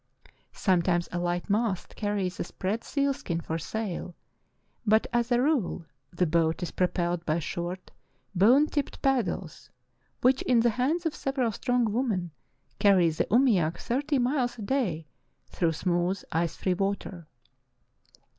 Sometimes a light mast carries a spread seal skin for sail, but as a rule the boat is pro pelled by short, bone tipped paddles which, in the hands of several strong women, carry the umiak thirty miles a day through smooth, ice free water.